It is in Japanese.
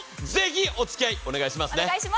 ぜひおつきあいお願いしますね。